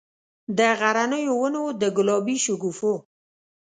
د غرنیو ونو، د ګلابي شګوفو،